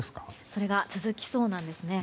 それが続きそうなんです。